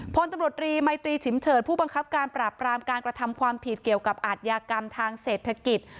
พลตำรวจรีมัยตรีฉิมเฉิดผู้บังคับการปราบรามการกระทำความผิดเกี่ยวกับอาทยากรรมทางเศรษฐกิจ